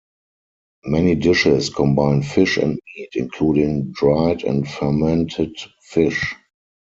Many dishes combine fish and meat, including dried and fermented fish.